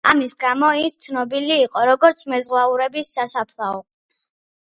ამის გამო ის ცნობილი იყო როგორც მეზღვაურების სასაფლაო.